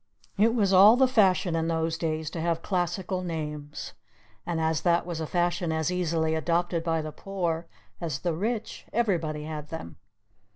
It was all the fashion in those days to have classical names. And as that was a fashion as easily adopted by the poor as the rich, everybody had them.